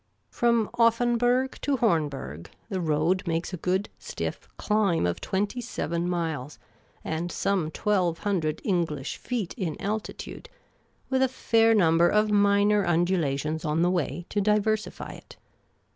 From Offenburg to Hornberg the road makes a good stiff climb of twenty seven miles, and some twelve hundred Eng lish feet in altitude, with a fair number of minor undulations on the way to diversify it.